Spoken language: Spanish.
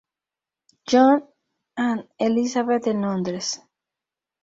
John and Elizabeth en Londres.